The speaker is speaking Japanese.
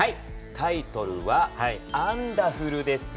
タイトルは「アンダフル」です。